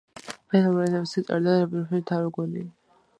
ბენგალურ ენაზე წერდა რაბინდრანათ თაგორი.